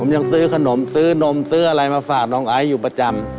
ผมยังซื้อขนมซื้อนมซื้ออะไรมาฝากน้องไอซ์อยู่ประจำ